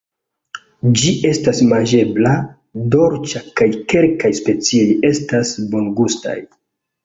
Ĝi estas manĝebla, dolĉa kaj kelkaj specioj estas bongustaj.